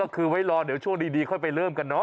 ก็คือไว้รอเดี๋ยวช่วงดีค่อยไปเริ่มกันเนอ